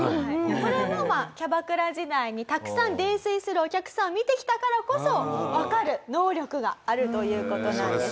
これもキャバクラ時代にたくさん泥酔するお客さんを見てきたからこそわかる能力があるという事なんです。